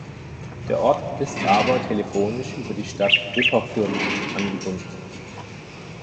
Der Ort ist aber telefonisch über die Stadt Wipperfürth angebunden.